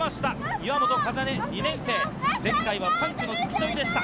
岩本風音・２年生、前回は３区の付き添いでした。